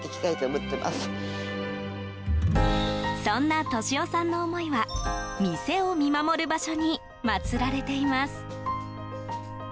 そんな利夫さんの思いは店を見守る場所に祭られています。